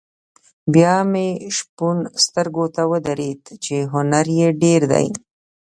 بیا مې شپون سترګو ته ودرېد چې هنر یې ډېر دی.